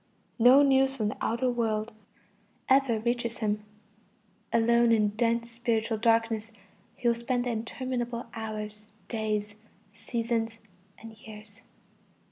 No news from the outer world ever reaches him. Alone in dense spiritual darkness, he will spend the interminable hours, days, seasons, and years.